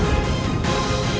aku mau kesana